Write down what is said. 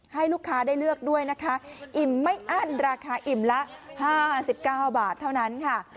ให้ลูกค้าได้เลือกด้วยนะคะอิ่มไม่อั้นราคาอิ่มละ๕๙บาทเท่านั้นค่ะ